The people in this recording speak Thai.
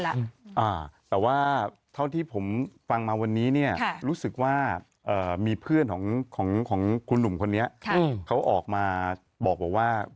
แต่ว่าเพราะที่ผมฟังมาวันนี้เนี่ยรู้สึกว่ามีเพื่อนของคุณของคุณหนูผมแบบเขาออกมาบอกได้